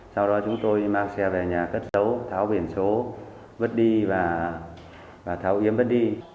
sau đó chúng tôi mang xe về nhà cất dấu tháo biển số vứt đi và tháo yếm vứt đi